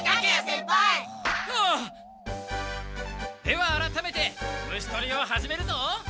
ではあらためて虫とりを始めるぞ！